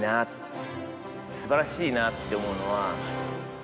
素晴らしいなって思うのは。